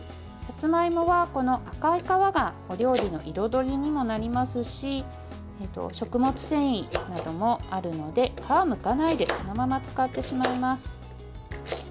さつまいもは赤い皮がお料理の彩りにもなりますし食物繊維などもあるので皮をむかないでそのまま使ってしまいます。